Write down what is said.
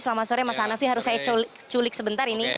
selamat sore mas hanafi harus saya culik sebentar ini